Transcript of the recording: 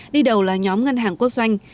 đi đầu là nhóm ngân hàng quốc doanh